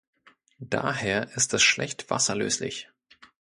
Daher ist es schlecht wasserlöslich.